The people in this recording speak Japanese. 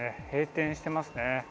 閉店してますね。